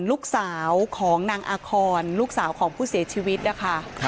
ลูกสาวของนางอาคอนลูกสาวของผู้เสียชีวิตนะคะ